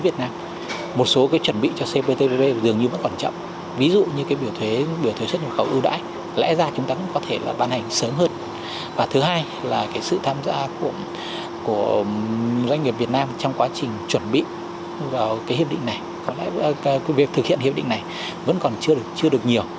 trong quá trình chuẩn bị và thực hiện hiệp định này vẫn còn chưa được nhiều